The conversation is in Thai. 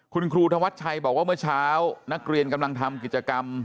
คุณครูธวัชชัยบอกว่าเมื่อเช้านักเรียนกำลังทำกิจกรรม